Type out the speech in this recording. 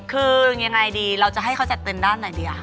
คือยังไงดีเราจะให้เขาจัดเต็มด้านไหนดี